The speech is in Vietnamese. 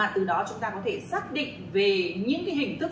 từ đó chúng ta có thể xác định về những hình thức xử lý cho phù hợp